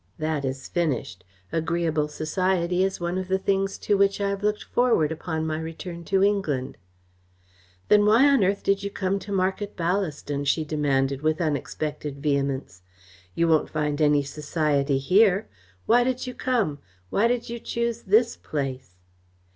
That is finished. Agreeable society is one of the things to which I have looked forward upon my return to England." "Then why on earth did you come to Market Ballaston?" she demanded, with unexpected vehemence. "You won't find any society here. Why did you come? Why did you choose this place?"